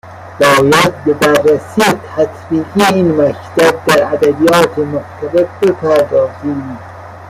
باید به بررسی تطبیقی این مکتب در ادبیات مختلف بپردازیم